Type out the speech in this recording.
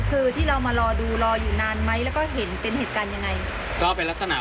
คือที่เรามารอดูรออยู่นานไหมแล้วก็เห็นเป็นเหตุการณ์ยังไง